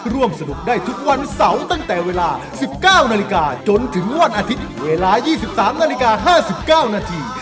ร่วมสนุกได้ทุกวันเสาร์ตั้งแต่เวลา๑๙นาฬิกาจนถึงวันอาทิตย์เวลา๒๓นาฬิกา๕๙นาที